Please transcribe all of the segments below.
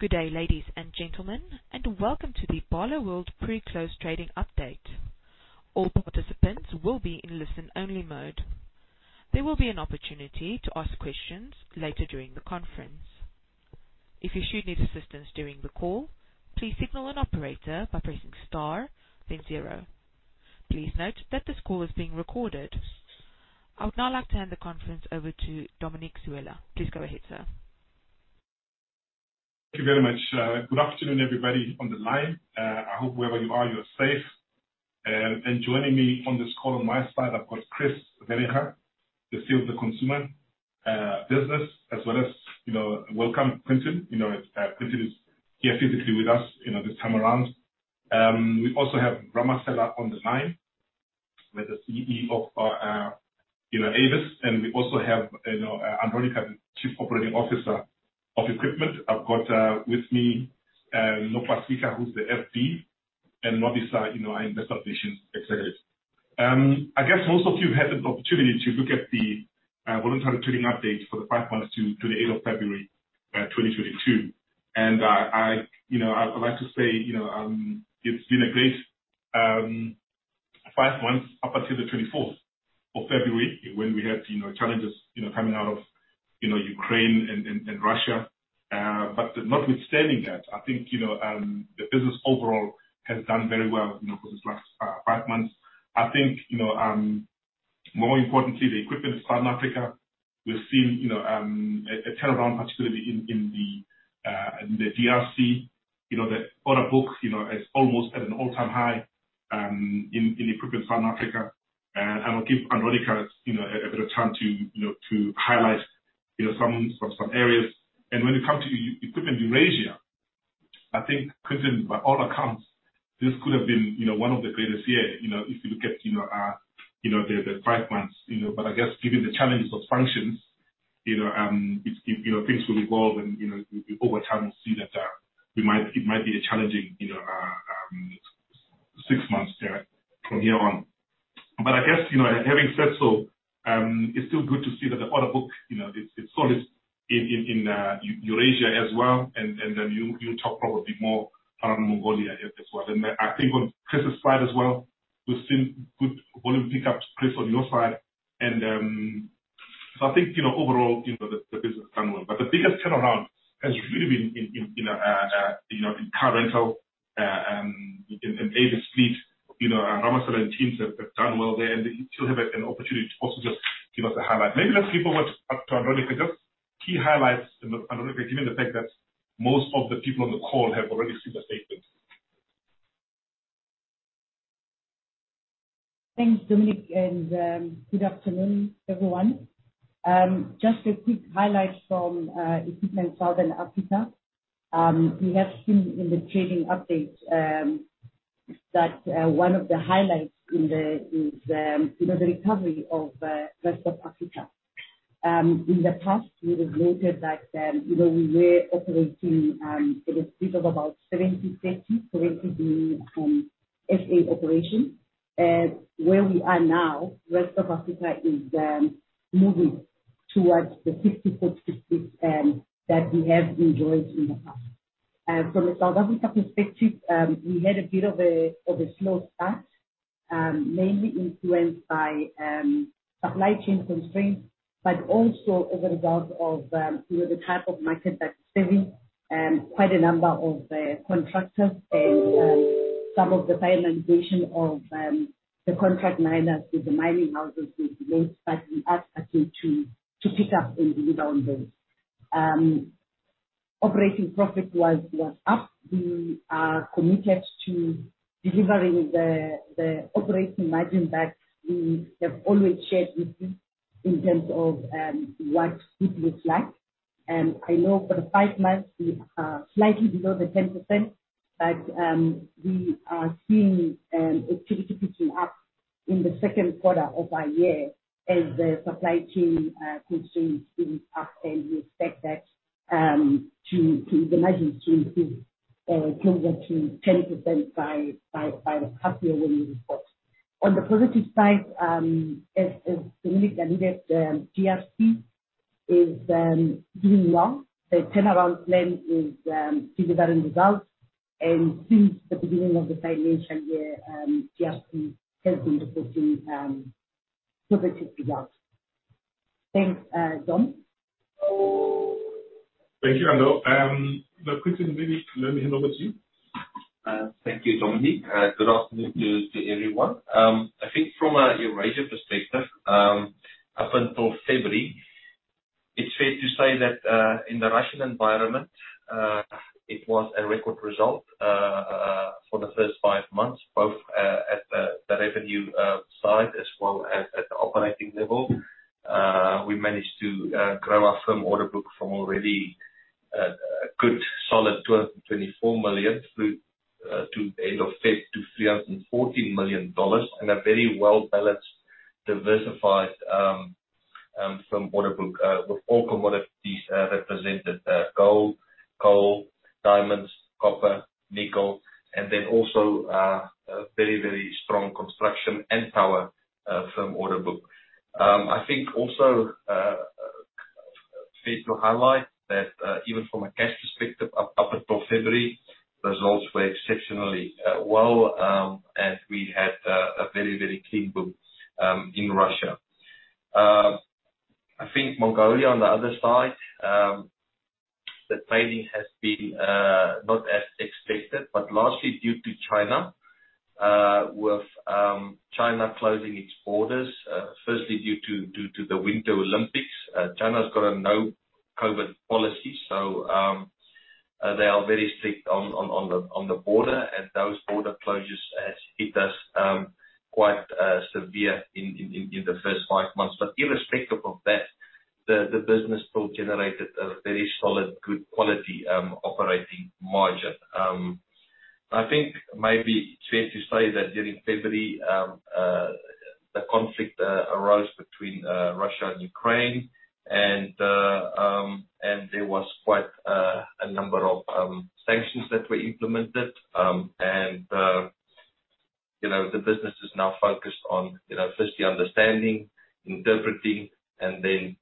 Good day, ladies and gentlemen, and welcome to the Barloworld pre-close trading update. All participants will be in listen-only mode. There will be an opportunity to ask questions later during the conference. If you should need assistance during the call, please signal an operator by pressing star then zero. Please note that this call is being recorded. I would now like to hand the conference over to Dominic Sewela. Please go ahead, sir. Thank you very much. Good afternoon, everybody on the line. I hope wherever you are, you are safe. Joining me on this call on my side, I've got Chris Wierenga, the CEO of the consumer business, as well as, you know, welcome, Quinton. You know, Quinton is here physically with us, you know, this time around. We also have Ramasela on the line, who is the CEO of, you know, Avis. We also have, you know, Andronicca, Chief Operating Officer of Equipment. I've got with me Nopasika, who's the FD, and Nobuhle, you know, investor relations, et cetera. I guess most of you had the opportunity to look at the voluntary trading update for the five months to the 8th of February 2022. I would like to say, you know, it's been a great five months up until the 24 of February when we had, you know, challenges, you know, coming out of, you know, Ukraine and Russia. Notwithstanding that, I think, you know, the business overall has done very well, you know, over this last five months. I think, you know, more importantly, the Equipment in Southern Africa, we've seen, you know, a turnaround, particularly in the GRC. You know, the order books, you know, is almost at an all-time high, in Equipment Southern Africa. I will give Andronicca, you know, a bit of time to, you know, to highlight, you know, some areas. When it comes to Equipment Eurasia, I think, Quinton, by all accounts, this could have been, you know, one of the greatest year, you know, if you look at, you know, the five months, you know. I guess given the challenges of sanctions, you know, things will evolve and, you know, we over time will see that it might be a challenging, you know, six months from here on. I guess, you know, having said so, it's still good to see that the order book, you know, it's solid in Eurasia as well. You'll talk probably more on Mongolia as well. I think on Chris's side as well, we've seen good volume pick up, Chris, on your side. I think you know overall you know the business has done well. The biggest turnaround has really been in car rental in Avis Fleet. You know, Ramasela and teams have done well there, and they still have an opportunity to also just give us a highlight. Maybe let's kick over to Andronicca. Just key highlights, Andronicca, given the fact that most of the people on the call have already seen the statement. Thanks, Dominic, and good afternoon, everyone. Just a quick highlight from Equipment Southern Africa. We have seen in the trading update that one of the highlights is you know the recovery of rest of Africa. In the past, we have noted that you know we were operating in a split of about 70/30, 70 being SA operations. Where we are now, rest of Africa is moving towards the 60/40 split that we have enjoyed in the past. From a South Africa perspective, we had a bit of a slow start, mainly influenced by supply chain constraints, but also as a result of, you know, the type of market that we're serving, quite a number of contractors and some of the finalization of the contract miners with the mining houses we've launched, but we are starting to pick up and deliver on those. Operating profit was up. We are committed to delivering the operating margin that we have always shared with you in terms of what it looks like. I know for the five months we are slightly below the 10%, but we are seeing activity picking up in the second quarter of our year as the supply chain constraints ease up, and we expect the margins to move closer to 10% by the time we will report. On the positive side, as Dominic alluded, GRC is doing well. The turnaround plan is delivering results. Since the beginning of the financial year, GRC has been reporting positive results. Thanks, Dom. Thank you, Andro. Now, Quinton, maybe let me hand over to you. Thank you, Dominic. Good afternoon to everyone. I think from a Eurasia perspective, up until February, it's fair to say that in the Russian environment, it was a record result for the first five months, both at the revenue side, as well as at the operating level. We managed to grow our firm order book from already a good solid $24 million through to end of February to $314 million in a very well-balanced, diversified firm order book with all commodities represented. Gold, coal, diamonds, copper, nickel, and then also a very strong construction and power firm order book. I think also fair to highlight that even from a cash perspective, up until February, results were exceptionally well, and we had a very clean book in Russia. I think Mongolia on the other side, the trading has been not as expected, but largely due to China with China closing its borders, firstly due to the Winter Olympics. China's got a no COVID policy, so they are very strict on the border. Those border closures has hit us quite severe in the first five months. Irrespective of that, the business still generated a very solid, good quality operating margin. I think maybe it's fair to say that during February, the conflict arose between Russia and Ukraine and there was quite a number of sanctions that were implemented. You know, the business is now focused on, you know, firstly understanding, interpreting, and then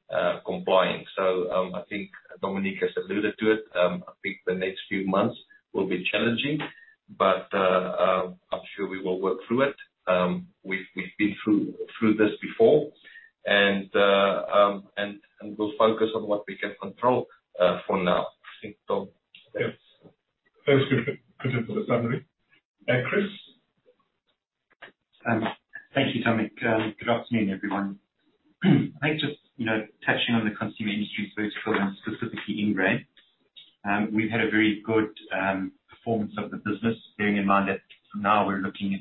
complying. I think Dominic has alluded to it. I think the next few months will be challenging, but I'm sure we will work through it. We've been through this before and we'll focus on what we can control for now. I think, Dom. Yes. Thanks for the summary. Chris? Thank you, Dominic. Good afternoon, everyone. I think just, you know, touching on the consumer industries first of all, and specifically Ingrain. We've had a very good performance of the business, bearing in mind that from now we're looking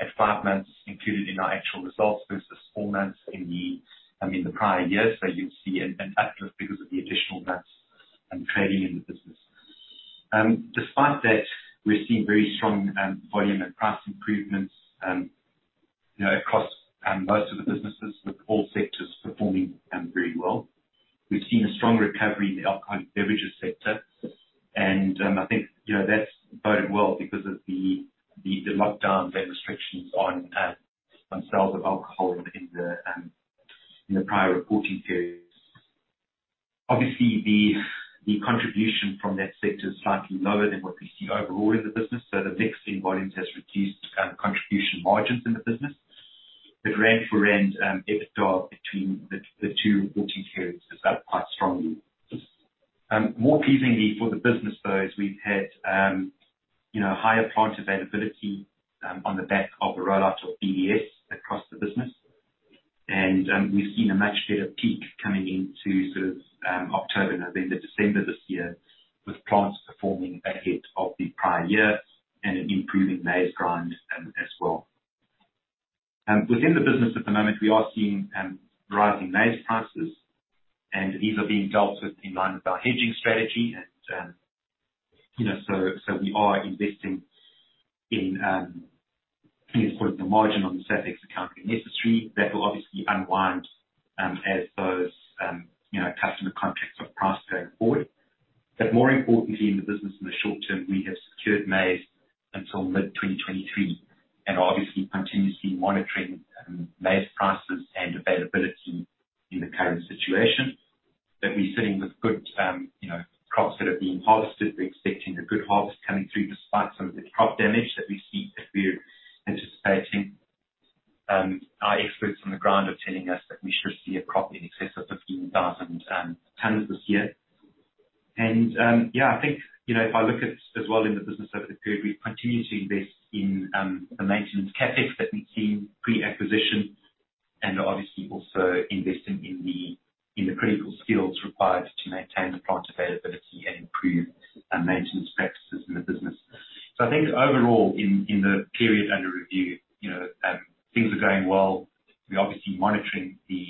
at five months included in our actual results versus four months in the, I mean, the prior years. So you'll see an uplift because of the additional months trading in the business. Despite that, we're seeing very strong volume and price improvements, you know, across most of the businesses with all sectors performing very well. We've seen a strong recovery in the alcoholic beverages sector. I think, you know, that's boded well because of the lockdowns and restrictions on sales of alcohol in the prior reporting periods. Obviously, the contribution from that sector is slightly lower than what we see overall in the business, so the mixing volumes has reduced contribution margins in the business. The Ingrain EBITDA between the two reporting periods is up quite strongly. More pleasingly for the business though is we've had you know, higher plant availability on the back of the rollout of BDS across the business. We've seen a much better peak coming into sort of October, November, December this year with plants performing ahead of the prior year and an improving maize grind as well. Within the business at the moment, we are seeing rising maize prices, and these are being dealt with in line with our hedging strategy. You know, we are investing in supporting the margin on the Safex account when necessary. That will obviously unwind as those you know, customer contracts are priced going forward. More importantly in the business in the short term, we have secured maize until mid-2023, and obviously continuously monitoring maize prices and availability in the current situation. We're sitting with good you know, crops that are being harvested. We're expecting a good harvest coming through despite some of the crop damage that we see, that we're anticipating. Our experts on the ground are telling us that we should see a crop in excess of 15,000 tons this year. I think, you know, if I look at as well in the business over the period, we've continued to invest in the maintenance CapEx that we've seen pre-acquisition, and obviously also investing in the critical skills required to maintain the plant availability and improve maintenance practices in the business. I think overall in the period under review, you know, things are going well. We're obviously monitoring the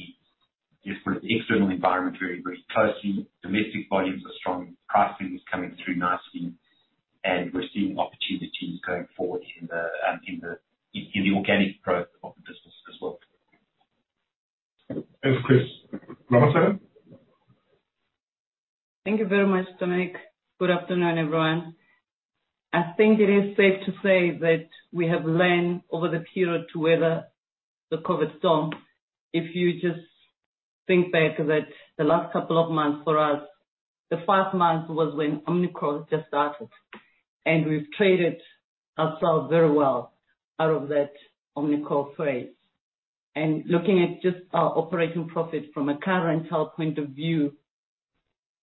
different external environment very, very closely. Domestic volumes are strong. Pricing is coming through nicely. We're seeing opportunities going forward in the organic growth of the business as well. Thanks, Chris. Ramasela? Thank you very much, Dominic. Good afternoon, everyone. I think it is safe to say that we have learned over the period to weather the COVID storm. If you just think back that the last couple of months for us, the five months was when Omicron just started. We've traded ourselves very well out of that Omicron phase. Looking at just our operating profit from a current health point of view,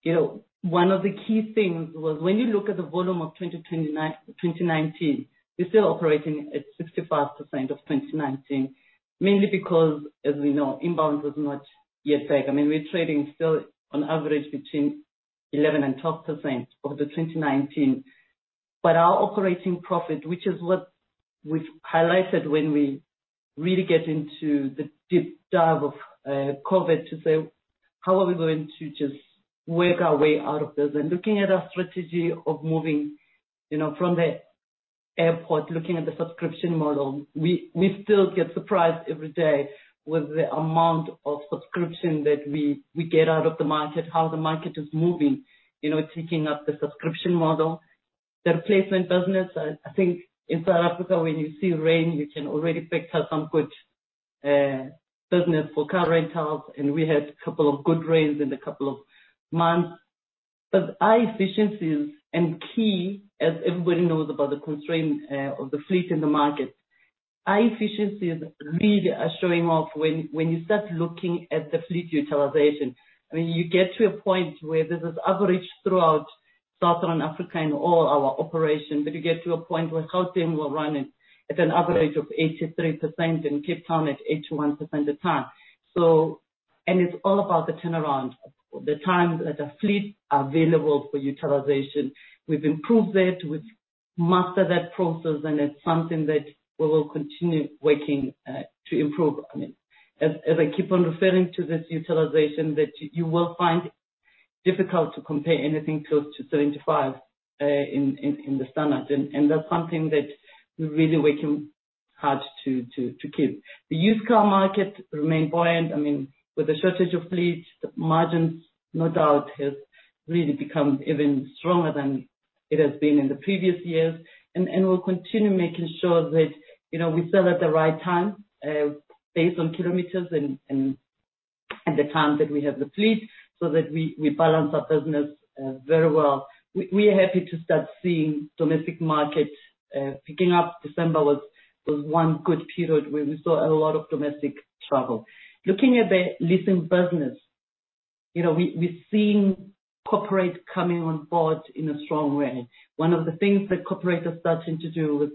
you know, one of the key things was when you look at the volume of 2019, we're still operating at 65% of 2019. Mainly because, as we know, inbound was not yet back. I mean, we're trading still on average between 11% and 12% of the 2019. Our operating profit, which is what we've highlighted when we really get into the deep dive of COVID to say, "How are we going to just work our way out of this?" Looking at our strategy of moving, you know, from the airport, looking at the subscription model, we still get surprised every day with the amount of subscription that we get out of the market, how the market is moving. You know, taking up the subscription model. The replacement business, I think in South Africa, when you see rain, you can already factor some good business for car rentals, and we had a couple of good rains in a couple of months. Our efficiencies are key, as everybody knows about the constraint of the fleet in the market. Our efficiencies really are showing off when you start looking at the fleet utilization. I mean, you get to a point where there's this average throughout Southern Africa in all our operations, but you get to a point where Gauteng we're running at an average of 83%, in Cape Town at 81% of the time. It's all about the turnaround, the time that the fleet available for utilization. We've improved that, we've mastered that process, and it's something that we will continue working to improve on it. I keep on referring to this utilization that you will find difficult to compare anything close to 35% in the standard. That's something that we're really working hard to keep. The used car market remain buoyant. I mean, with the shortage of fleet, the margins no doubt has really become even stronger than it has been in the previous years. We'll continue making sure that, you know, we sell at the right time based on kilometers and the time that we have the fleet, so that we balance our business very well. We are happy to start seeing domestic market picking up. December was one good period where we saw a lot of domestic travel. Looking at the leasing business, you know, we're seeing corporate coming on board in a strong way. One of the things that corporate are starting to do with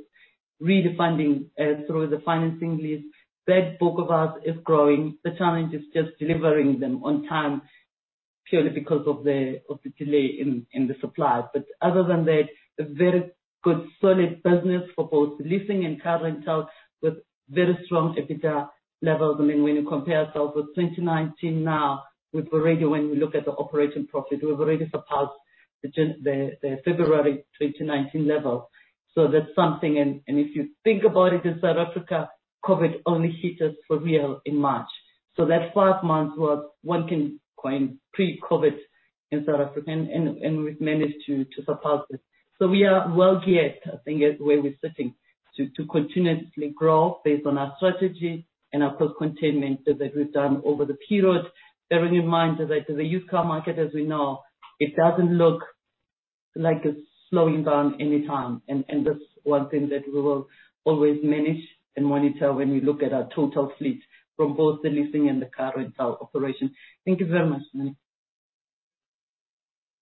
refunding through the financing lease, that book of ours is growing. The challenge is just delivering them on time, purely because of the delay in the supply. But other than that, a very good solid business for both leasing and car rental, with very strong EBITDA levels. I mean, when you compare ourselves with 2019 now, we've already, when you look at the operating profit, we've already surpassed the February 2019 level. That's something. If you think about it, in South Africa, COVID only hit us for real in March. That five months was once inconceivable pre-COVID in South Africa, and we've managed to surpass it. We are well geared, I think, at where we're sitting, to continuously grow based on our strategy and our cost containment that we've done over the period. Bearing in mind that the used car market as we know, it doesn't look like it's slowing down anytime. That's one thing that we will always manage and monitor when we look at our total fleet from both the leasing and the car rental operation. Thank you very much.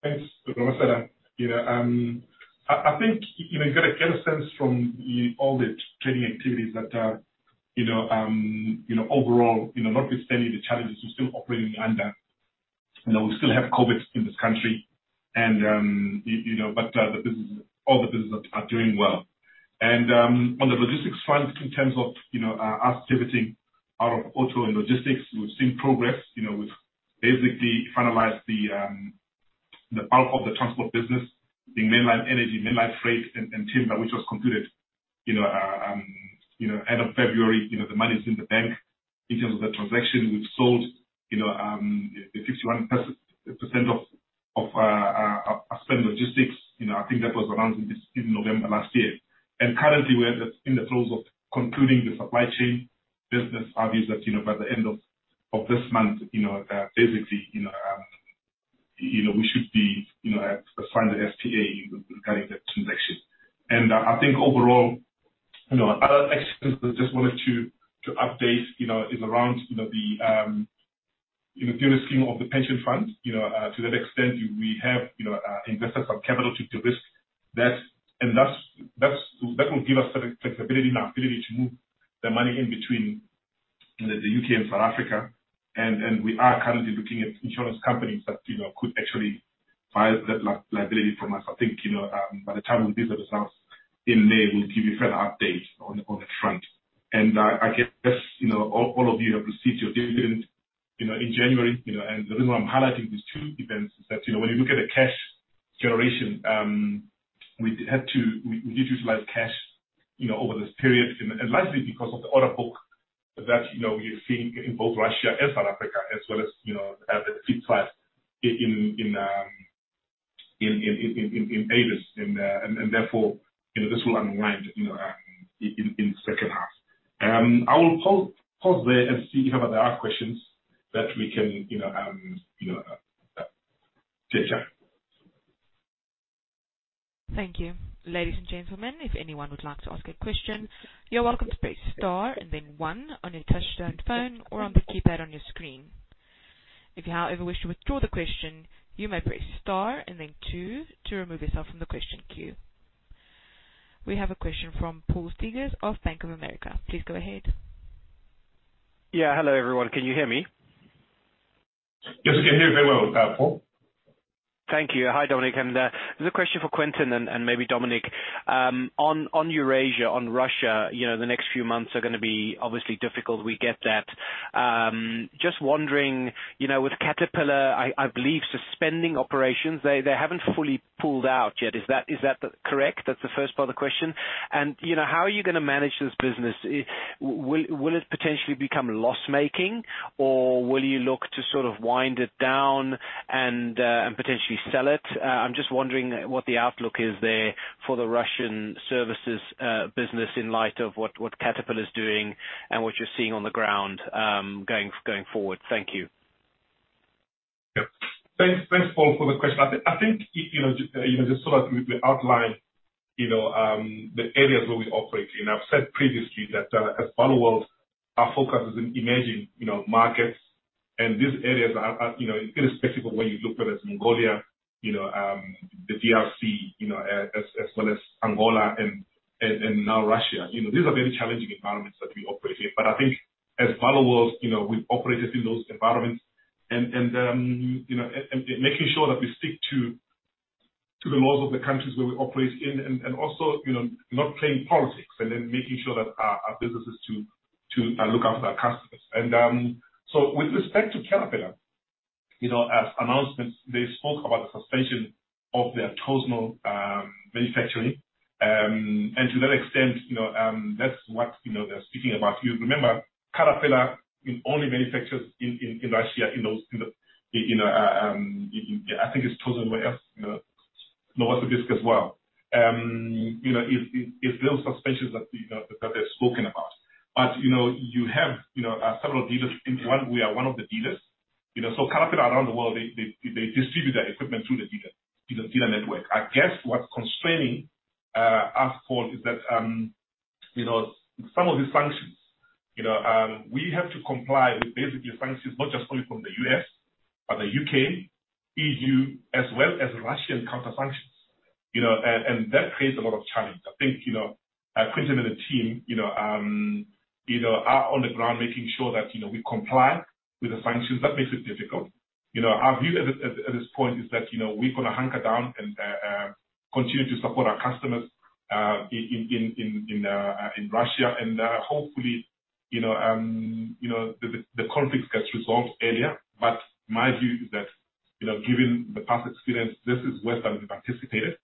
Thanks, Ramasela. Yeah, I think, you know, you gotta get a sense from all the trading activities that, you know, overall, you know, notwithstanding the challenges we're still operating under, you know, we still have COVID in this country and, you know, but the business, all the businesses are doing well. On the logistics front, in terms of, you know, our activity out of auto and logistics, we've seen progress. You know, we've basically finalized the out of the transport business, the Manline Energy, Manline Freight and timber, which was concluded end of February. You know, the money's in the bank. In terms of the transaction, we've sold, you know, the 51% of Aspen Logistics. You know, I think that was around in November last year. Currently we're in the throes of concluding the supply chain business. Obviously, you know, by the end of this month, you know, basically, you know, we should be, you know, to sign the SPA regarding that transaction. I think overall, you know, other aspects I just wanted to update, you know, is around, you know, the de-risking of the pension fund. You know, to that extent, we have, you know, invested some capital to de-risk that. That will give us the flexibility and ability to move the money in between the U.K. and South Africa. We are currently looking at insurance companies that, you know, could actually buy that liability from us. I think, you know, by the time we release the results in May, we'll give you further update on that front. I guess, you know, all of you have received your dividend, you know, in January. The reason why I'm highlighting these two events is that, you know, when you look at the cash generation, we had to, we utilized cash, you know, over this period. Largely because of the order book that, you know, you're seeing in both Russia and South Africa, as well as, you know, the fleet sales in Avis. Therefore, you know, this will unwind, you know, in the second half. I will pause there and see if there are questions that we can, you know, take time. Thank you. Ladies and gentlemen, if anyone would like to ask a question, you're welcome to press star and then one on your touch-tone phone or on the keypad on your screen. If you, however, wish to withdraw the question, you may press star and then two to remove yourself from the question queue. We have a question from Paul Steegers of Bank of America. Please go ahead. Yeah. Hello, everyone. Can you hear me? Yes, we can hear you very well, Paul. Thank you. Hi, Dominic and there's a question for Quinton and maybe Dominic. On Eurasia, on Russia, you know, the next few months are gonna be obviously difficult. We get that. Just wondering, you know, with Caterpillar, I believe suspending operations, they haven't fully pulled out yet. Is that correct? That's the first part of the question. You know, how are you gonna manage this business? Will it potentially become loss-making or will you look to sort of wind it down and potentially sell it? I'm just wondering what the outlook is there for the Russian services business in light of what Caterpillar is doing and what you're seeing on the ground going forward. Thank you. Thanks, Paul, for the question. I think you know just so that we outline you know the areas where we operate in. I've said previously that as Barloworld our focus is in emerging you know markets and these areas are you know in a specific way you look at as Mongolia you know the DRC you know as well as Angola and now Russia. You know these are very challenging environments that we operate in. I think as Barloworld you know we've operated in those environments and making sure that we stick to the laws of the countries where we operate in and also you know not playing politics and then making sure that our business is to look after our customers. With respect to Caterpillar, you know, as announcements, they spoke about the suspension of their Tosno manufacturing. To that extent, you know, that's what they're speaking about. If you remember, Caterpillar only manufactures in Russia in those. I think it's Tosno, where else? You know, Novokuznetsk as well. You know, it's those suspensions that they've spoken about. You know, you have several dealers in one. We are one of the dealers. You know, so Caterpillar around the world, they distribute their equipment through the dealer network. I guess what's constraining us, Paul, is that you know, some of these sanctions. You know, we have to comply with basically sanctions, not just only from the U.S., but the U.K., E.U., as well as Russian counter-sanctions. You know, that creates a lot of challenge. I think, you know, Quinton and the team, you know, are on the ground making sure that, you know, we comply with the sanctions. That makes it difficult. You know, our view at this point is that, you know, we're gonna hunker down and continue to support our customers in Russia, and hopefully, you know, the conflict gets resolved earlier. My view is that, you know, given the past experience, this is worse than we anticipated.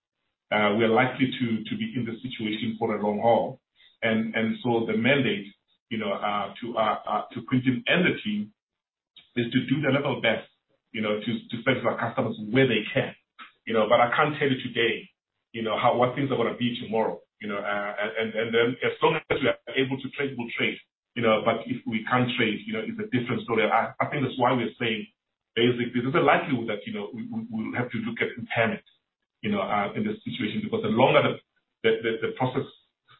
We are likely to be in this situation for a long haul. The mandate, you know, to Quinton and the team is to do their level best, you know, to service our customers where they can. You know, I can't tell you today, you know, how what things are gonna be tomorrow, you know. As long as we are able to trade, we'll trade, you know. If we can't trade, you know, it's a different story. I think that's why we are saying basically there's a likelihood that, you know, we'll have to look at impairment, you know, in this situation. Because the longer the process,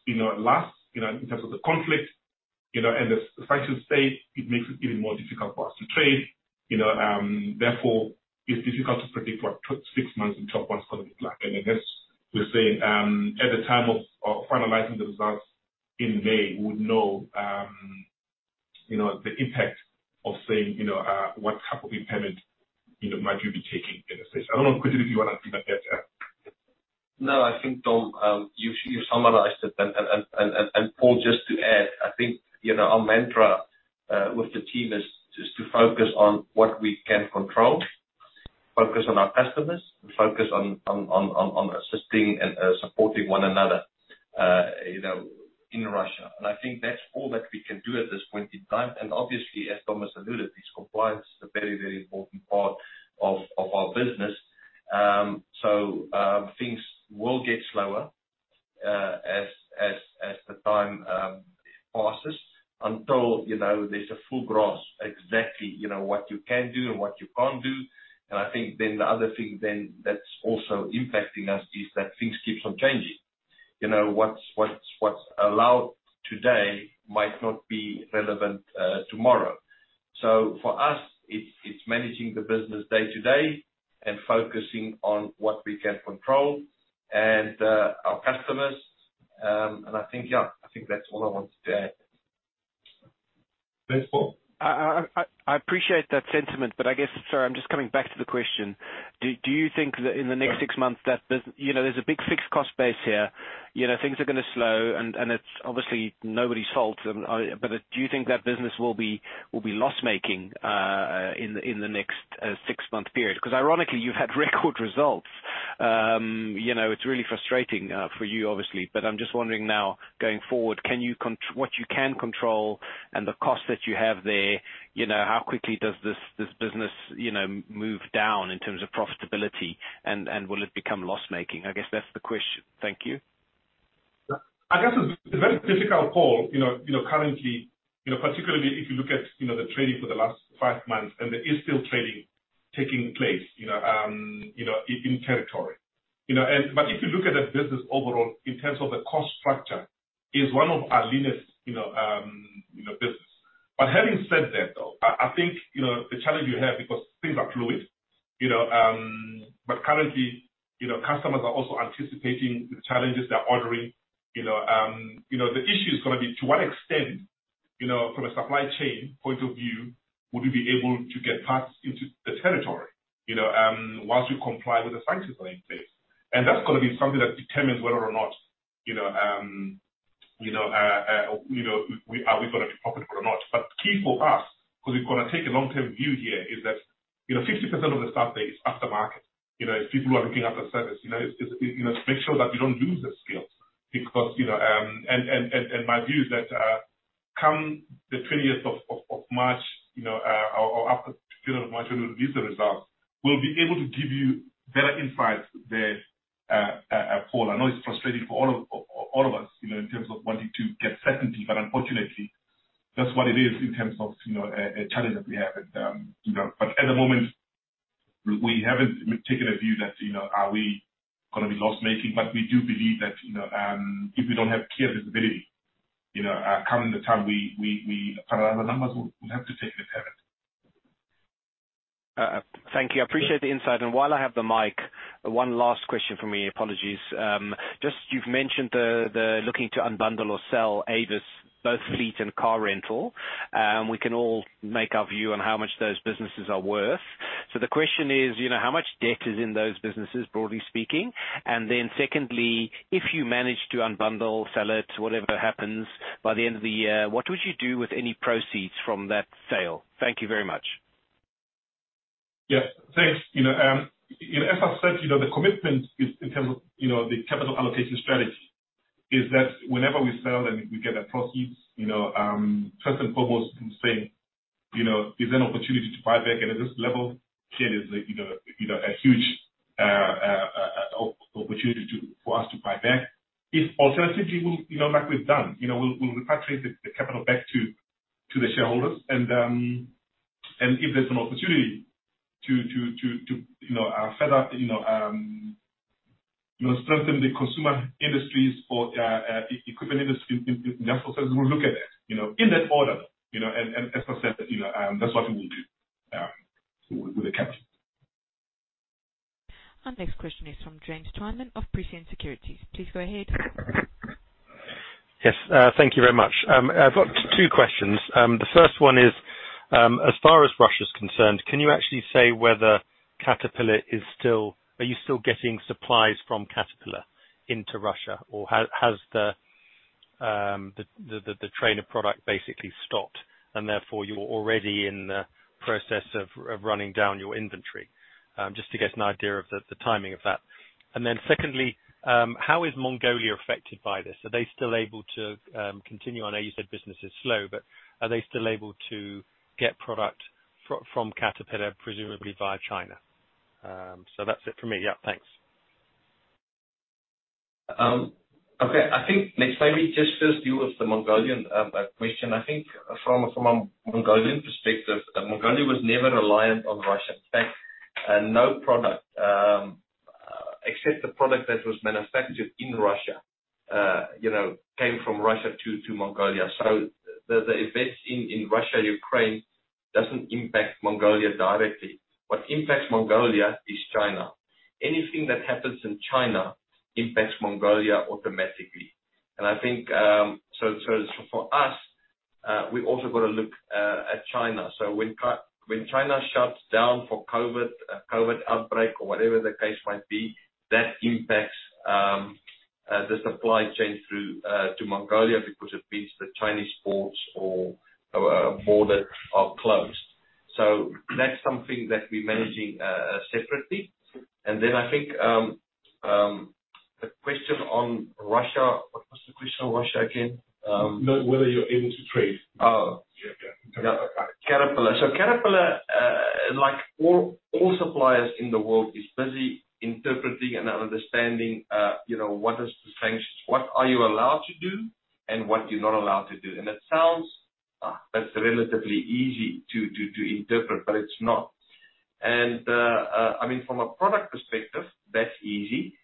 you know, lasts, you know, in terms of the conflict, you know, and the sanctions stay, it makes it even more difficult for us to trade. You know, therefore, it's difficult to predict what the next six months in terms of what's gonna be like. I guess we're saying at the time of finalizing the results in May, we'll know, you know, the impact, saying, you know, what type of impairment, you know, might we be taking in a sense. I don't know, Quinton, if you wanna add to that. Yeah. No, I think, Dom, you summarized it. Paul, just to add, I think, you know, our mantra with the team is just to focus on what we can control, focus on our customers, and focus on assisting and supporting one another, you know, in Russia. I think that's all that we can do at this point in time. Obviously, as Thomas alluded, compliance is a very, very important part of our business. Things will get slower as the time passes until, you know, there's a full grasp exactly, you know, what you can do and what you can't do. I think the other thing that's also impacting us is that things keep on changing. You know, what's allowed today might not be relevant tomorrow. For us, it's managing the business day to day and focusing on what we can control and our customers. I think, yeah, I think that's all I wanted to add. Thanks, Paul. I appreciate that sentiment, but I guess, sorry, I'm just coming back to the question. Do you think that in the next six months that business, you know, there's a big fixed cost base here. You know, things are gonna slow, and it's obviously nobody's fault. Do you think that business will be loss-making in the next six-month period? 'Cause ironically, you've had record results. You know, it's really frustrating for you obviously, but I'm just wondering now going forward, what you can control and the costs that you have there, you know, how quickly does this business move down in terms of profitability, and will it become loss-making? I guess that's the question. Thank you. I guess it's a very difficult call. You know, currently, particularly if you look at the trading for the last five months, and there is still trading taking place, you know, in territory. If you look at the business overall in terms of the cost structure, it's one of our leanest, you know, business. Having said that, though, I think, you know, the challenge you have, because things are fluid, you know, but currently, you know, customers are also anticipating the challenges they're ordering. You know, the issue is gonna be to what extent, you know, from a supply chain point of view, would we be able to get parts into the territory, you know, once we comply with the sanctions that are in place? That's gonna be something that determines whether or not, you know, are we gonna be profitable or not? Key for us, 'cause we've gotta take a long-term view here, is that, you know, 50% of the stuff there is aftermarket, you know. It's people who are looking after service, you know. It's, you know, to make sure that we don't lose this skill because, you know and my view is that, come the 20th of March, you know, or after the period of March when we release the results, we'll be able to give you better insights there, Paul. I know it's frustrating for all of us, you know, in terms of wanting to get certainty, but unfortunately that's what it is in terms of, you know, a challenge that we have. You know, but at the moment we haven't taken a view that, you know, are we gonna be loss-making. We do believe that, you know, if we don't have clear visibility, you know, come the time we put out the numbers, we'll have to take the impairment. Thank you. I appreciate the insight. While I have the mic, one last question from me. Apologies. Just you've mentioned the looking to unbundle or sell Avis, both fleet and car rental. We can all make our view on how much those businesses are worth. The question is, you know, how much debt is in those businesses, broadly speaking? Then secondly, if you manage to unbundle, sell it, whatever happens by the end of the year, what would you do with any proceeds from that sale? Thank you very much. Yeah. Thanks. You know, as I've said, you know, the commitment is in terms of, you know, the capital allocation strategy, is that whenever we sell and we get the proceeds, you know, first and foremost, we say, you know, is there an opportunity to buy back. At this level, clearly there's a huge opportunity for us to buy back. If alternatively, we'll, you know, like we've done, you know, we'll repatriate the capital back to the shareholders. If there's an opportunity to further, you know, strengthen the Consumer Industries or Equipment industry in Africa, we'll look at that, you know, in that order, you know. As I said, you know, that's what we'll do with the capital. Our next question is from James Twyman of Prescient Securities. Please go ahead. Yes. Thank you very much. I've got two questions. The first one is, as far as Russia's concerned, can you actually say whether you are still getting supplies from Caterpillar into Russia? Or has the train of product basically stopped, and therefore you're already in the process of running down your inventory? Just to get an idea of the timing of that. Secondly, how is Mongolia affected by this? Are they still able to continue on? I know you said business is slow, but are they still able to get product from Caterpillar, presumably via China? That's it for me. Yeah, thanks. Okay. I think, James, maybe just first deal with the Mongolian question. I think from a Mongolian perspective, Mongolia was never reliant on Russia. In fact, no product, except the product that was manufactured in Russia, you know, came from Russia to Mongolia. The events in Russia, Ukraine doesn't impact Mongolia directly. What impacts Mongolia is China. Anything that happens in China impacts Mongolia automatically. I think, so for us, we've also got to look at China. When China shuts down for COVID outbreak or whatever the case might be, that impacts the supply chain through to Mongolia because it means the Chinese ports or border are closed. That's something that we're managing separately. I think the question on Russia. What was the question on Russia again? No, whether you're able to trade. Oh. Yeah, yeah. Yeah. Caterpillar. Caterpillar, like all suppliers in the world, is busy interpreting and understanding, you know, what is the sanctions, what are you allowed to do and what you're not allowed to do. It sounds, that's relatively easy to interpret, but it's not. I mean, from a product perspective, that's easy.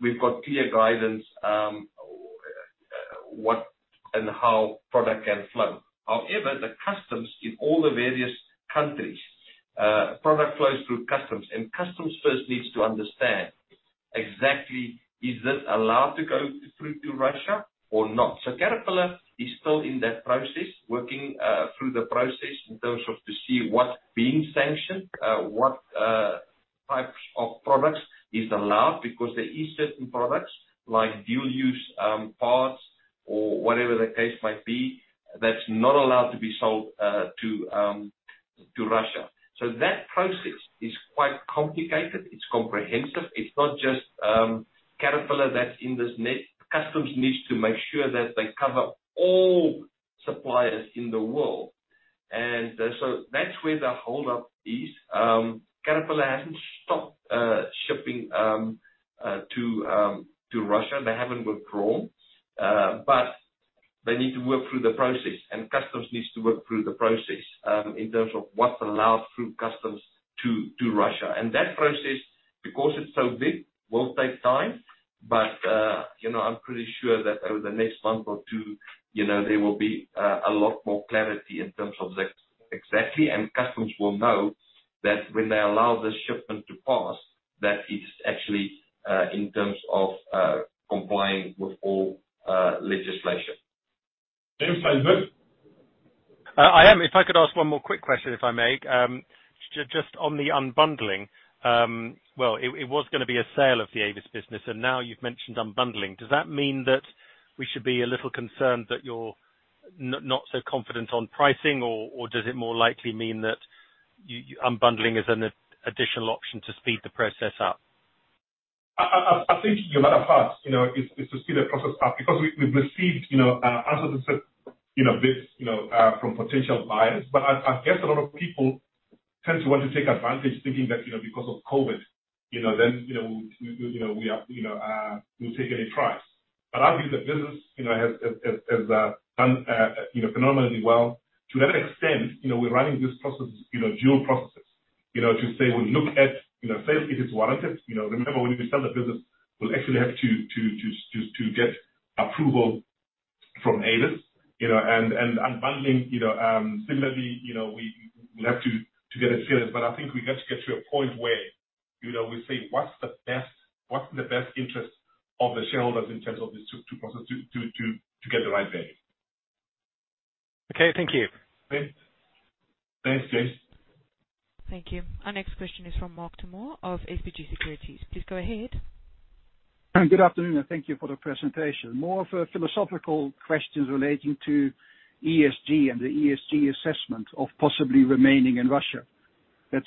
We've got clear guidance, what and how product can flow. However, the customs in all the various countries, product flows through customs, and customs first needs to understand exactly is this allowed to go through to Russia or not. Caterpillar is still in that process, working through the process in terms of to see what's being sanctioned, what types of products is allowed. Because there is certain products like dual-use parts or whatever the case might be, that's not allowed to be sold to Russia. That process is quite complicated. It's comprehensive. It's not just Caterpillar that's in this net. Customs needs to make sure that they cover all suppliers in the world. That's where the hold up is. Caterpillar hasn't stopped shipping to Russia. They haven't withdrawn. They need to work through the process, and customs needs to work through the process in terms of what's allowed through customs to Russia. That process, because it's so big, will take time. You know, I'm pretty sure that over the next month or two, you know, there will be a lot more clarity in terms of exactly, and customs will know that when they allow the shipment to pass, that it's actually in terms of complying with all legislation. James, are you good? If I could ask one more quick question, if I may. Just on the unbundling. Well, it was gonna be a sale of the Avis business, and now you've mentioned unbundling. Does that mean that we should be a little concerned that you're not so confident on pricing? Or does it more likely mean unbundling is an additional option to speed the process up? I think you have it half, you know, is to speed the process up because we've received, you know, answers that said, you know, bids, you know, from potential buyers. I guess a lot of people tend to want to take advantage thinking that, you know, because of COVID, you know, then, you know, we you know we are you know we'll take any price. I think the business, you know, has done, you know, phenomenally well. To that extent, you know, we're running this process, you know, dual processes, you know, to say we look at, you know, sale if it's warranted. You know, remember when we sell the business, we'll actually have to get approval from ADRs, you know, and unbundling, you know, similarly, you know, we have to get clearance. I think we got to get to a point where, you know, we say, "What's the best, what's in the best interest of the shareholders in terms of these two processes to get the right value? Okay, thank you. Thanks. Thanks, James. Thank you. Our next question is from Marc ter Mors of SBG Securities. Please go ahead. Good afternoon, and thank you for the presentation. More of a philosophical question relating to ESG and the ESG assessment of possibly remaining in Russia.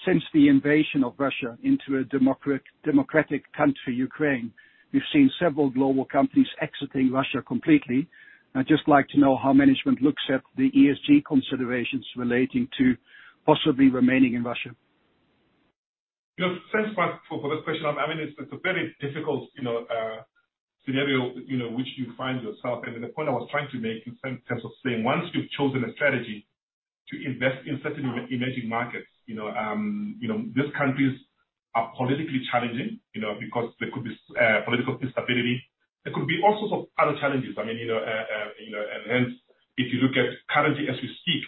Since the invasion of Russia into a democratic country, Ukraine, we've seen several global companies exiting Russia completely. I'd just like to know how management looks at the ESG considerations relating to possibly remaining in Russia. You know, thanks, Marc, for this question. I mean, it's a very difficult, you know, scenario, you know, which you find yourself. The point I was trying to make in terms of saying, once you've chosen a strategy to invest in certain emerging markets, you know, these countries are politically challenging, you know, because there could be political instability. There could be all sorts of other challenges. I mean, you know, and hence, if you look at currently as we speak,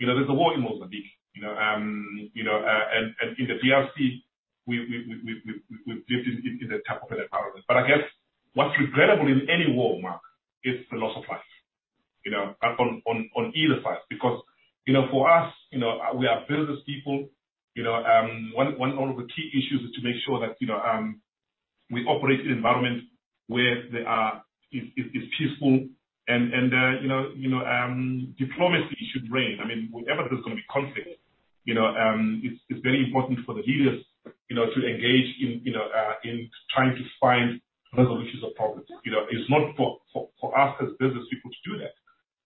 you know, there's a war in Mozambique, you know, and in the DRC, we've lived in the type of an environment. I guess what's regrettable in any war, Marc, is the loss of life, you know, on either side. Because you know, for us, you know, we are business people, you know, one of the key issues is to make sure that, you know, we operate in an environment where there is peaceful and you know, diplomacy should reign. I mean, wherever there's gonna be conflict, you know, it's very important for the leaders, you know, to engage in you know in trying to find resolutions of problems. You know, it's not for us as business people to do that.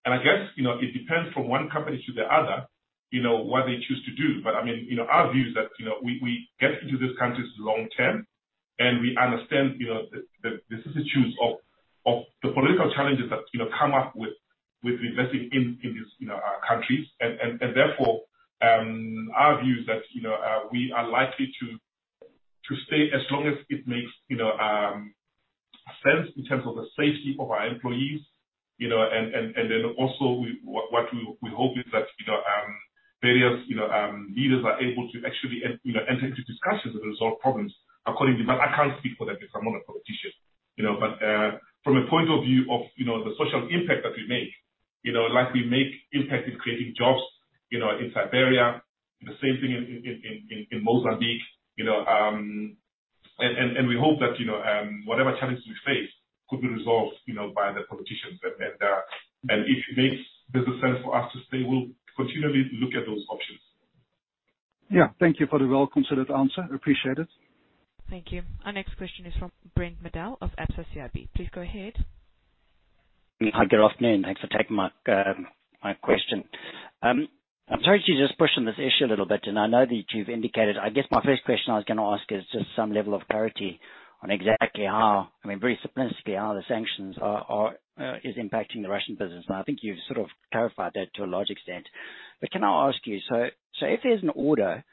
I guess, you know, it depends from one company to the other, you know, what they choose to do. I mean, you know, our view is that, you know, we get into these countries long term, and we understand, you know, the institutions of the political challenges that, you know, come with investing in these countries. Therefore, our view is that, you know, we are likely to stay as long as it makes, you know, sense in terms of the safety of our employees, you know, and then also what we hope is that, you know, various leaders are able to actually enter into discussions and resolve problems accordingly. I can't speak for them because I'm not a politician, you know. From a point of view of, you know, the social impact that we make, you know, like we make impact in creating jobs, you know, in Siberia, the same thing in Mozambique, you know, and we hope that, you know, whatever challenges we face could be resolved, you know, by the politicians. If it makes business sense for us to stay, we'll continually look at those options. Yeah. Thank you for the well-considered answer. Appreciate it. Thank you. Our next question is from Brent Madel of Absa CIB. Please go ahead. Hi, good afternoon. Thanks for taking my question. I'm sorry to just push on this issue a little bit, and I know that you've indicated. I guess my first question I was gonna ask is just some level of clarity on exactly how, I mean, very simplistically, how the sanctions is impacting the Russian business, and I think you've sort of clarified that to a large extent. Can I ask you, so if there's an order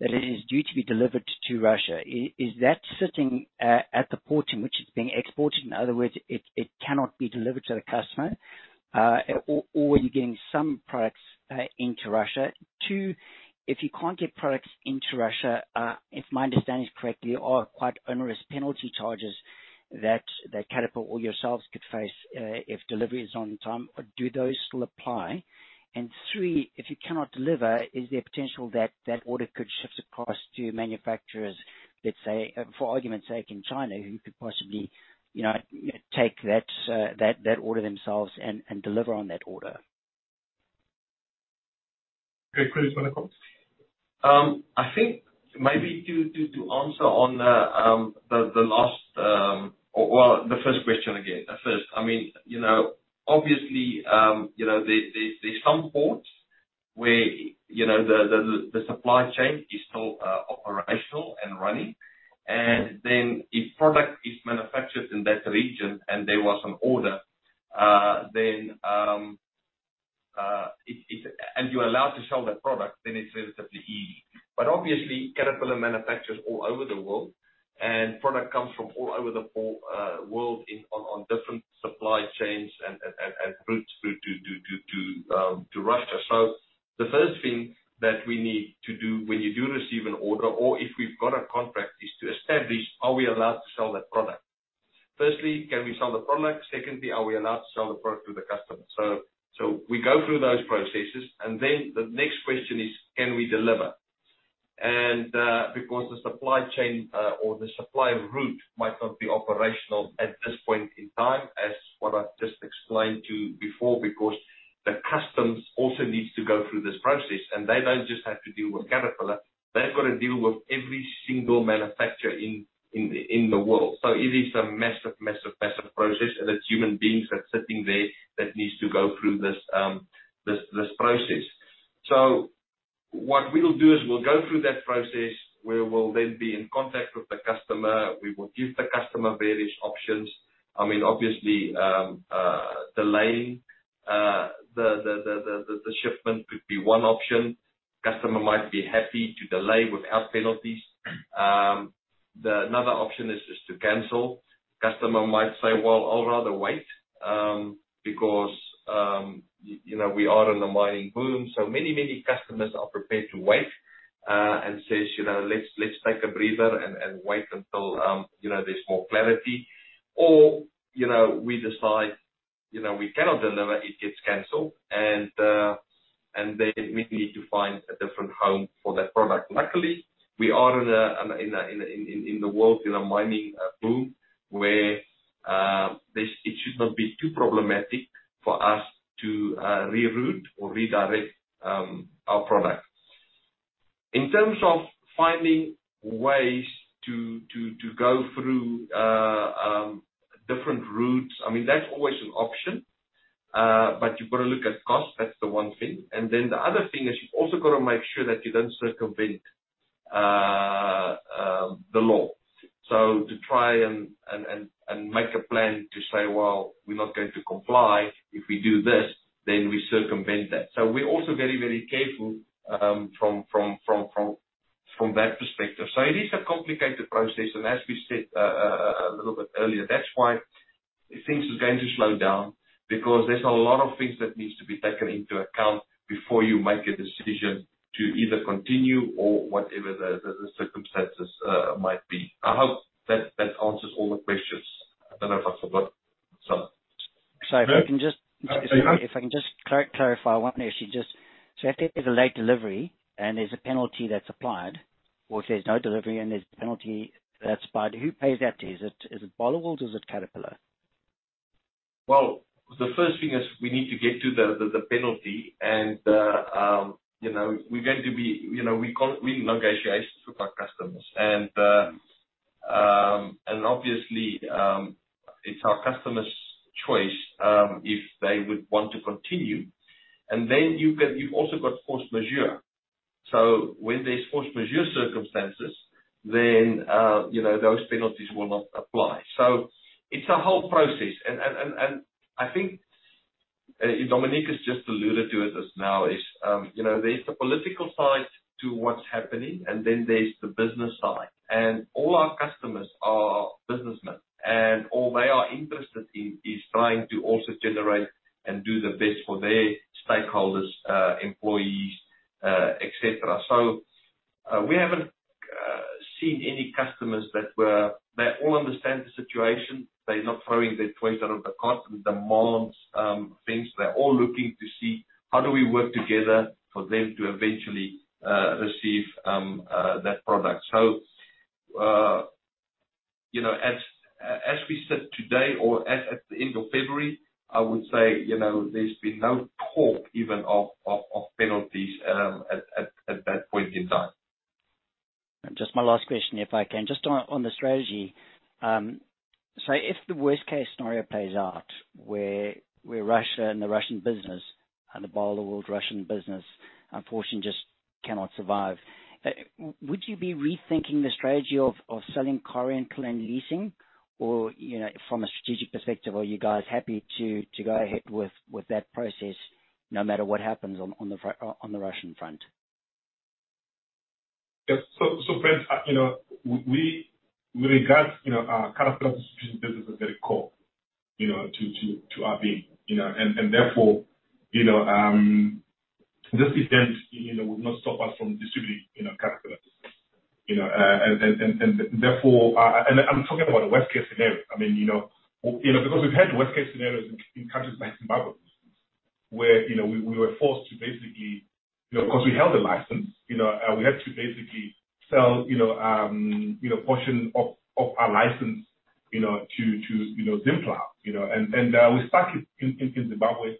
that is due to be delivered to Russia, is that sitting at the port in which it's being exported? In other words, it cannot be delivered to the customer, or are you getting some products into Russia? Two, if you can't get products into Russia, if my understanding is correct, there are quite onerous penalty charges that Caterpillar or yourselves could face if delivery is on time. Do those still apply? Three, if you cannot deliver, is there potential that that order could shift across to manufacturers, let's say, for argument's sake, in China, who could possibly, you know, take that order themselves and deliver on that order? Okay. Chris, you wanna comment? I think maybe to answer on the last or well the first question again. The first. I mean, you know, obviously, you know, there's some ports where, you know, the supply chain is still operational and running. Then if product is manufactured in that region and there was an order, then you're allowed to sell that product, then it's relatively easy. But obviously, Caterpillar manufactures all over the world, and product comes from all over the world in on different supply chains and routes through to Russia. So the first thing that we need to do when you do receive an order or if we've got a contract is to establish, are we allowed to sell that product? Firstly, can we sell the product? Secondly, are we allowed to sell the product to the customer? We go through those processes, and then the next question is, can we deliver? Because the supply chain or the supply route might not be operational at this point in time, as what I've just explained to you before, because the customs also needs to go through this process, and they don't just have to deal with Caterpillar. They've got to deal with every single manufacturer in the world. It is a massive process, and it's human beings that's sitting there that needs to go through this process. What we'll do is we'll go through that process, we will then be in contact with the customer. We will give the customer various options. I mean, obviously, delaying the shipment could be one option. Customer might be happy to delay without penalties. Another option is to cancel. Customer might say, "Well, I'll rather wait," because you know, we are in a mining boom, so many customers are prepared to wait, and says, you know, "Let's take a breather and wait until you know, there's more clarity." Or you know, we decide you know, we cannot deliver, it gets canceled. Then we need to find a different home for that product. Luckily, we are in a mining boom, where this it should not be too problematic for us to reroute or redirect our product. In terms of finding ways to go through different routes, I mean, that's always an option. You've got to look at cost, that's the one thing. The other thing is you've also got to make sure that you don't circumvent the law. To try and make a plan to say, well, we're not going to comply if we do this, then we circumvent that. We're also very careful from that perspective. It is a complicated process. As we said a little bit earlier, that's why things are going to slow down, because there's a lot of things that needs to be taken into account before you make a decision to either continue or whatever the circumstances might be. I hope that answers all the questions. I don't know if I forgot some. Sorry, if I can just- Say that. If I can just clarify one issue. If there's a late delivery and there's a penalty that's applied, or if there's no delivery and there's a penalty that's applied, who pays that to? Is it Barloworld or is it Caterpillar? Well, the first thing is we need to get to the penalty and we negotiate with our customers and obviously it's our customers' choice if they would want to continue. Then you've also got force majeure. When there's force majeure circumstances then those penalties will not apply. It's a whole process. I think Dominic has just alluded to it just now. There's the political side to what's happening, and then there's the business side. All our customers are businessmen, and all they are interested in is trying to also generate and do the best for their stakeholders, employees, et cetera. We haven't seen any customers that were. They all understand the situation. They're not throwing their toys out of the cart and demands things. They're all looking to see how do we work together for them to eventually receive that product. You know, as we sit today or as at the end of February, I would say, you know, there's been no talk even of penalties at that point in time. Just my last question, if I can. Just on the strategy. So if the worst-case scenario plays out where Russia and the Russian business and the Barloworld Russian business unfortunately just cannot survive, would you be rethinking the strategy of selling Car rental and leasing? Or, you know, from a strategic perspective, are you guys happy to go ahead with that process no matter what happens on the Russian front? Yeah, Brent, you know, we regard our Caterpillar distribution business as very core to our being. You know, therefore, I'm talking about a worst-case scenario. I mean, you know, because we've had worst-case scenarios in countries like Zimbabwe, where, you know, we were forced to basically, you know, because we held a license, you know, we had to basically sell, you know, portion of our license, you know, to Zimplow. You know, and we're stuck in Zimbabwe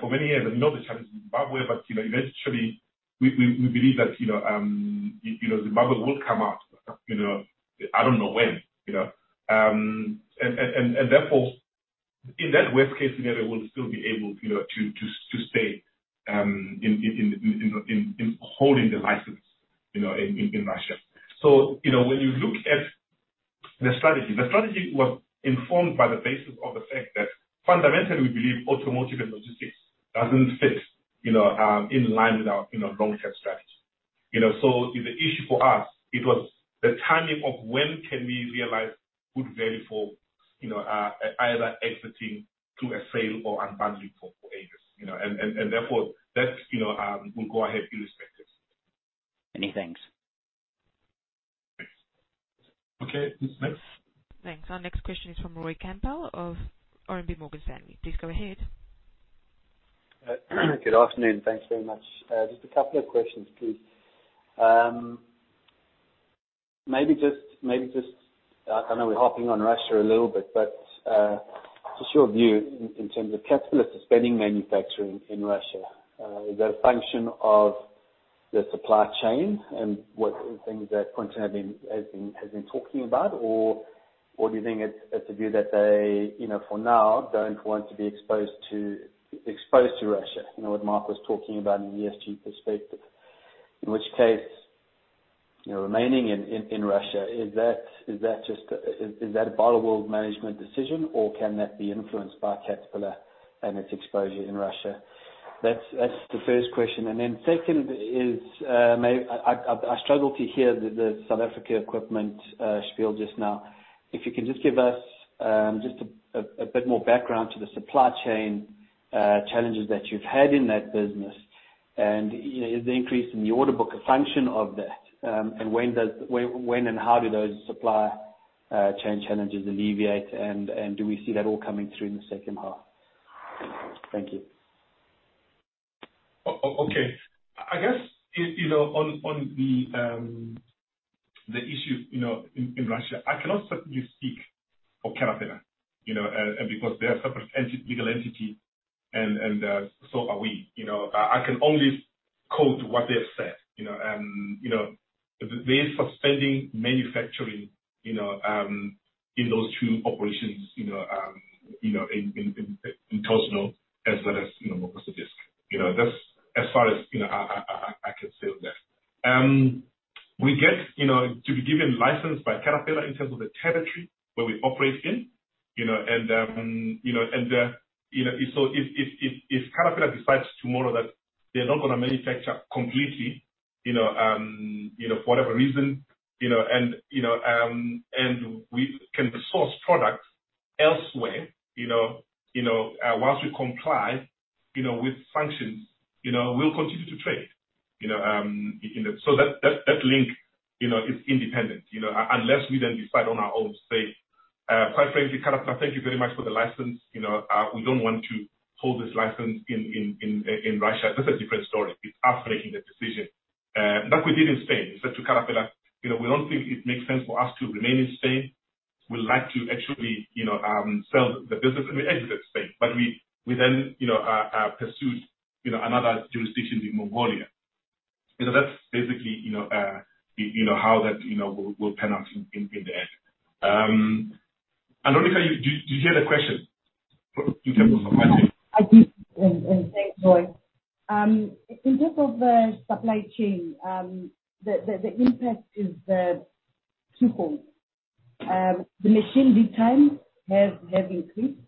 for many years. I know the challenge in Zimbabwe, but, you know, eventually we believe that, you know, Zimbabwe will come out, you know. I don't know when, you know. And therefore, in that worst-case scenario, we'll still be able, you know, to stay in holding the license, you know, in Russia. You know, when you look at the strategy, the strategy was informed by the basis of the fact that fundamentally we believe automotive and logistics doesn't fit, you know, in line with our, you know, long-term strategy. You know, so the issue for us, it was the timing of when can we realize good value for, you know, either exiting through a sale or unbundling for ages, you know? Therefore that's, you know, we'll go ahead irrespective. Many thanks. Thanks. Okay. Next. Thanks. Our next question is from Roy Campbell of RMB Morgan Stanley. Please go ahead. Good afternoon. Thanks very much. Just a couple of questions, please. Maybe just, I know we're harping on Russia a little bit, but just your view in terms of Caterpillar suspending manufacturing in Russia. Is that a function of the supply chain and what the things that Quinton has been talking about? Or do you think it's a view that they, you know, for now, don't want to be exposed to Russia? You know, what Mark was talking about in the ESG perspective. In which case, you know, remaining in Russia, is that just a Barloworld management decision, or can that be influenced by Caterpillar and its exposure in Russia? That's the first question. Second is, may... I struggle to hear the South Africa equipment spiel just now. If you can just give us a bit more background to the supply chain challenges that you've had in that business and, you know, is the increase in the order book a function of that? When and how do those supply chain challenges alleviate and do we see that all coming through in the second half? Thank you. Okay. I guess you know on the issue you know in Russia I cannot certainly speak for Caterpillar you know because they are a separate legal entity and so are we. You know I can only quote what they've said you know. You know they're suspending manufacturing you know in those two operations you know in Tosno as well as Novokuznetsk. You know that's as far as I can say on that. We get, you know, to be given license by Caterpillar in terms of the territory where we operate in, you know, and, you know, so if Caterpillar decides tomorrow that they're not gonna manufacture completely, you know, for whatever reason, you know, and we can source products elsewhere, you know, whilst we comply, you know, with sanctions, you know, we'll continue to trade, you know. So that link, you know, is independent, you know, unless we then decide on our own say, "Quite frankly, Caterpillar, thank you very much for the license. You know, we don't want to hold this license in Russia." That's a different story. It's us making the decision. Like we did in Spain. We said to Caterpillar, you know, "We don't think it makes sense for us to remain in Spain. We'd like to actually, you know, sell the business and we exit Spain." We then, you know, pursued, you know, another jurisdiction in Mongolia. You know, that's basically, you know, how that, you know, will pan out in the end. Andronicca, did you hear the question in terms of supply chain? I did, and thanks, Roy. In terms of the supply chain, the impact is twofold. The machine lead times have increased,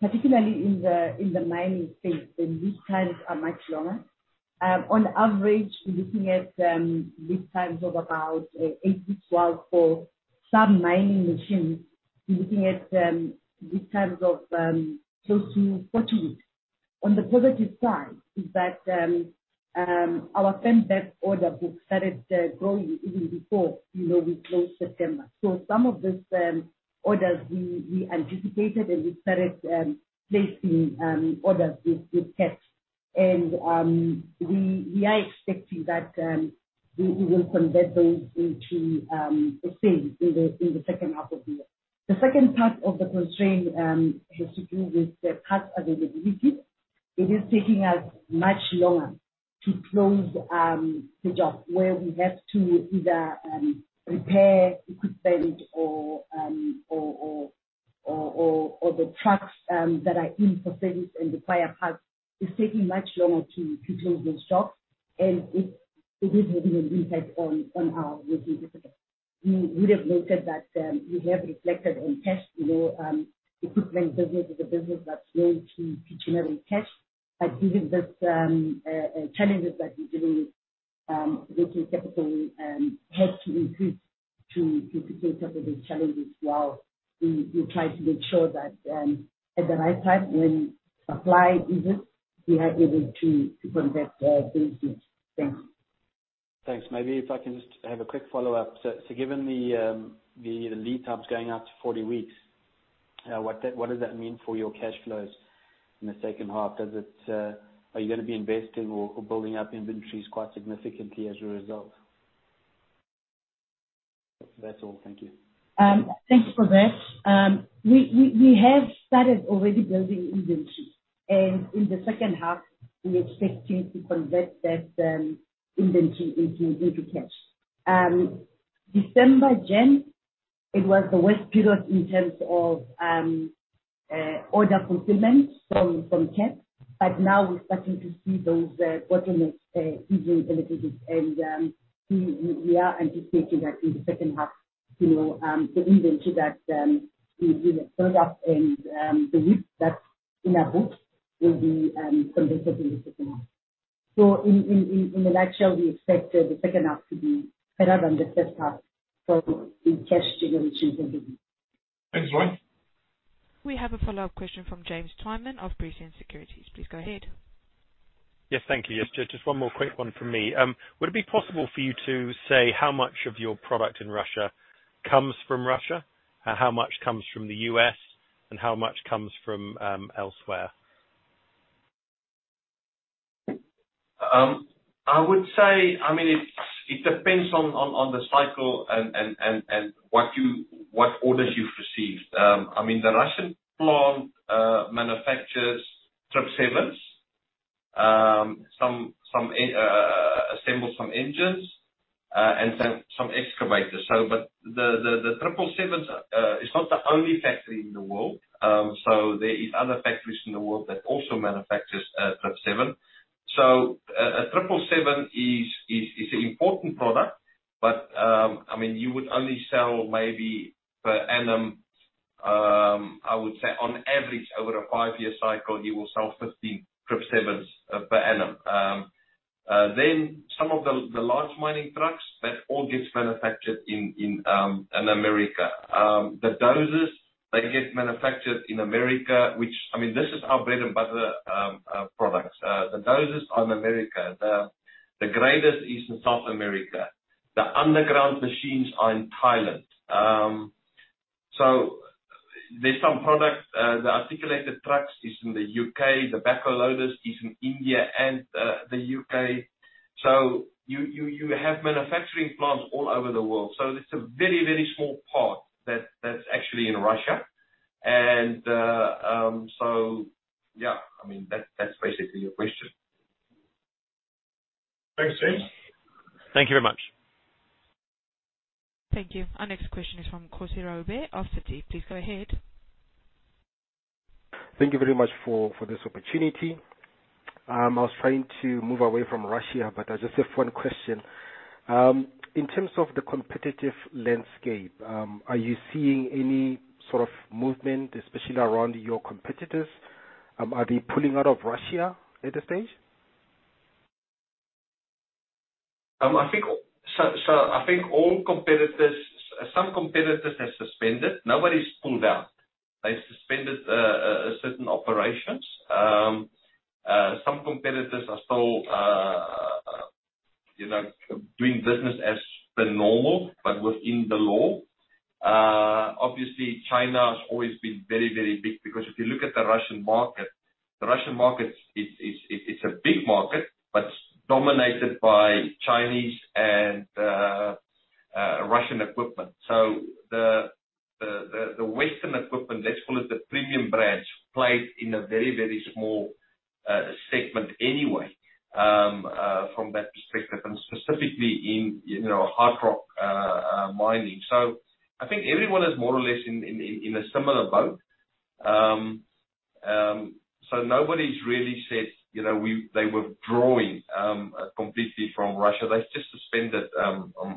particularly in the mining space, the lead times are much longer. On average we're looking at lead times of about eight to 12. For some mining machines, we're looking at lead times of close to 40 weeks. On the positive side is that our order book started growing even before, you know, we closed September. Some of these orders we anticipated and we started placing orders with Cat. We are expecting that we will convert those into a sale in the second half of the year. The second part of the constraint has to do with the parts availability. It is taking us much longer to close the jobs where we have to either repair equipment or the trucks that are in for service and require parts. It's taking much longer to close those shops and it is having an impact on our working capital. You would've noted that we have reflected on cash, you know, equipment business is a business that's known to generate cash. But given these challenges that we're dealing with, working capital has to increase to take care of those challenges while we try to make sure that at the right time when supply eases, we are able to convert those goods. Thanks. Thanks. Maybe if I can just have a quick follow-up. Given the lead times going out to 40 weeks, what does that mean for your cash flows in the second half? Does it, are you gonna be investing or building up inventories quite significantly as a result? That's all. Thank you. Thanks for that. We have started already building inventory and in the second half we are expecting to convert that inventory into cash. December, January, it was the worst period in terms of order fulfillment from Cat, but now we're starting to see those bottlenecks easing a little bit and we are anticipating that in the second half, you know, the inventory that we've built up and the leads that's in our books will be converted in the second half. In a nutshell, we expect the second half to be better than the first half, so in cash generations anyway. Thanks, Roy. We have a follow-up question from James Twyman of Prescient Securities. Please go ahead. Yes, thank you. Yes, just one more quick one from me. Would it be possible for you to say how much of your product in Russia comes from Russia? How much comes from the U.S. and how much comes from elsewhere? I would say, I mean, it depends on the cycle and what orders you've received. I mean, the Russian plant manufactures 777s. It assembles some engines and then some excavators. But the 777s is not the only factory in the world. There is other factories in the world that also manufactures 777. A 777 is an important product, but I mean, you would only sell maybe per annum, I would say on average over a five-year cycle, you will sell 15 777s per annum. Then some of the large mining trucks that all gets manufactured in America. The dozers they get manufactured in America, which... I mean, this is our bread and butter, products. The dozers are in America. The graders is in South America. The underground machines are in Thailand. There's some products, the articulated trucks is in the U.K. The backhoe loaders is in India and the U.K. You have manufacturing plants all over the world. It's a very small part that's actually in Russia. Yeah. I mean, that's basically your question. Thanks, James. Thank you very much. Thank you. Our next question is from Kgosi Rahube, Citi. Please go ahead. Thank you very much for this opportunity. I was trying to move away from Russia, but I just have one question. In terms of the competitive landscape, are you seeing any sort of movement, especially around your competitors? Are they pulling out of Russia at this stage? I think so. I think all competitors. Some competitors have suspended. Nobody's pulled out. They suspended certain operations. Some competitors are still, you know, doing business as normal, but within the law. Obviously China has always been very, very big, because if you look at the Russian market, it's a big market, but dominated by Chinese and Russian equipment. The Western equipment, let's call it the premium brands, plays in a very, very small segment anyway, from that perspective, and specifically in, you know, hard rock mining. I think everyone is more or less in a similar boat. Nobody's really said, you know, they withdrawing completely from Russia. They just suspended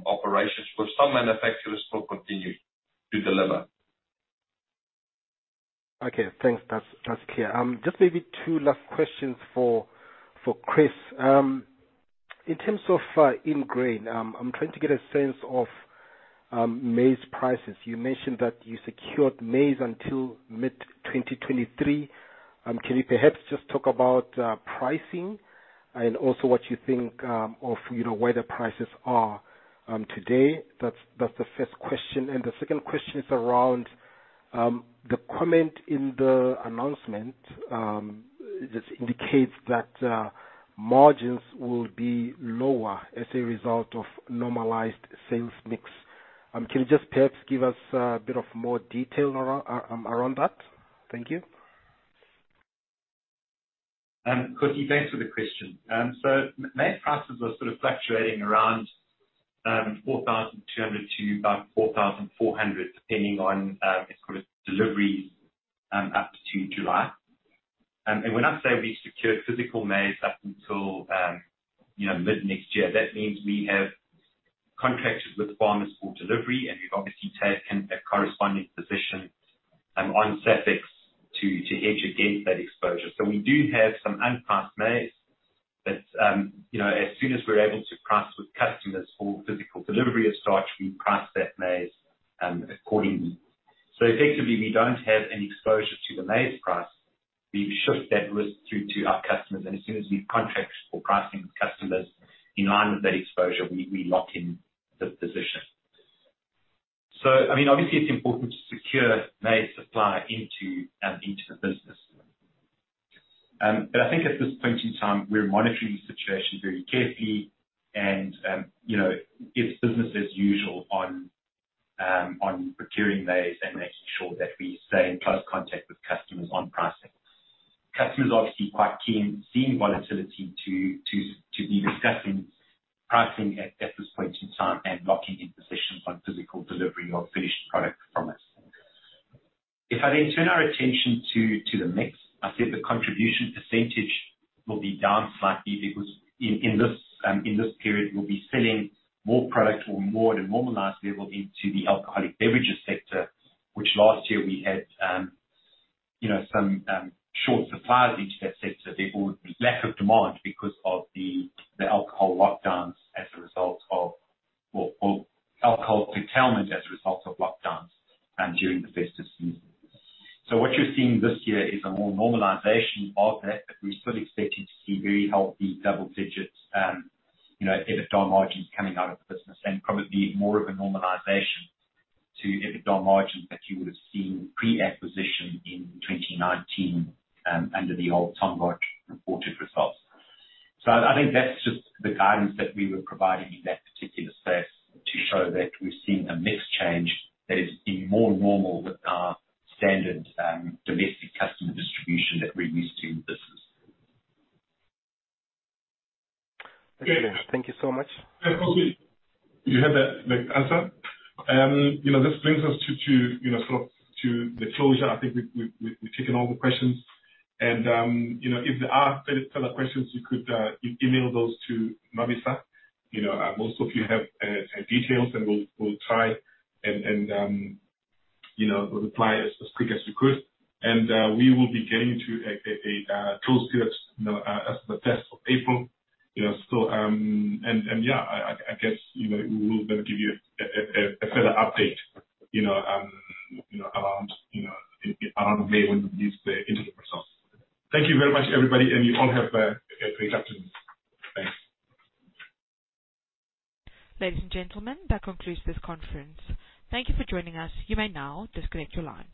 operations. Some manufacturers still continue to deliver. Okay, thanks. That's clear. Just maybe two last questions for Chris. In terms of Ingrain, I'm trying to get a sense of maize prices. You mentioned that you secured maize until mid-2023. Can you perhaps just talk about pricing and also what you think of, you know, where the prices are today? That's the first question. The second question is around the comment in the announcement that indicates that margins will be lower as a result of normalized sales mix. Can you just perhaps give us a bit more detail around that? Thank you. Kgosi, thanks for the question. Maize prices are sort of fluctuating around 4,200 to about 4,400, depending on, let's call it deliveries, up to July. When I say we secured physical maize up until, you know, mid-next year, that means we have contracts with farmers for delivery, and we've obviously taken a corresponding position on Safex to hedge against that exposure. We do have some unpriced maize that, you know, as soon as we're able to price with customers for physical delivery of starch, we price that maize accordingly. Effectively, we don't have any exposure to the maize price. We shift that risk through to our customers, and as soon as we've contracted for pricing with customers in line with that exposure, we lock in the position. I mean, obviously it's important to secure maize supply into the business. But I think at this point in time, we're monitoring the situation very carefully and, you know, it's business as usual on procuring maize and making sure that we stay in close contact with customers on pricing. Customers are obviously quite keen, seeing volatility, to be discussing pricing at this point in time and locking in positions on physical delivery of finished product from us. If I then turn our attention to the mix, I said the contribution percentage will be down slightly because in this period, we'll be selling more product or more at a normalized level into the alcoholic beverages sector, which last year we had, you know, some short supplies into that sector due to lack of demand because of the alcohol curtailment as a result of lockdowns during the festive season. What you're seeing this year is a more normalization of that, but we're still expecting to see very healthy double digits, you know, EBITDA margins coming out of the business, and probably more of a normalization to EBITDA margins that you would have seen pre-acquisition in 2019 under the old Tongaat reported results. I think that's just the guidance that we were providing in that particular space to show that we're seeing a mix change that is the more normal with our standard, domestic customer distribution that we're used to in the business. Okay. Thank you so much. Kgosi, you have the answer. You know, this brings us to you know, sort of to the closure. I think we've taken all the questions and you know, if there are any further questions, you could email those to Nwabisa. You know, most of you have details, and we'll try and you know, reply as quick as we could. We will be getting to a close to it, you know, as the first of April, you know. And yeah, I guess, you know, we will give you a further update, you know, you know, around you know, around May when we release the interim results. Thank you very much, everybody, and you all have a great afternoon. Thanks. Ladies and gentlemen, that concludes this conference. Thank you for joining us. You may now disconnect your lines.